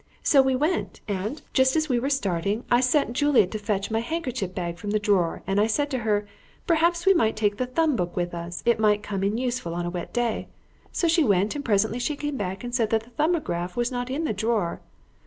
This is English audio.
So we went, and, just as we were starting, I sent Juliet to fetch my handkerchief bag from the drawer, and I said to her, 'Perhaps we might take the thumb book with us; it might come in useful on a wet day.' So she went, and presently she came back and said that the 'Thumbograph' was not in the drawer.